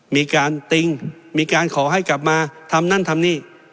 มีการติ้งมีการขอให้กลับมาทำนั่นทำนี่